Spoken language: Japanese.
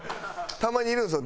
たまにいるんですよ